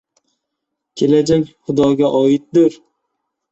• Kelajak Xudoga oiddir.